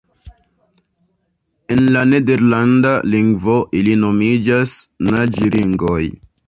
En la nederlanda lingvo ili nomiĝas naĝringoj.